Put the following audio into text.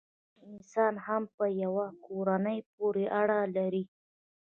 عقلمن انسان هم په یوه کورنۍ پورې اړه لري.